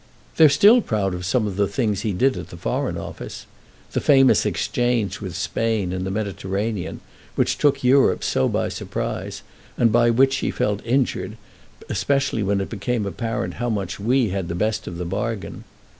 "They're still proud of some of the things he did at the Foreign Office—the famous 'exchange' with Spain, in the Mediterranean, which took Europe so by surprise and by which she felt injured, especially when it became apparent how much we had the best of the bargain.